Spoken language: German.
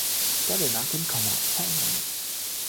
Stelle nach dem Komma verändern.